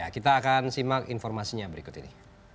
kita akan simak informasinya berikut ini